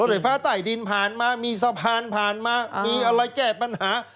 ไฟฟ้าใต้ดินผ่านมามีสะพานผ่านมามีอะไรแก้ปัญหา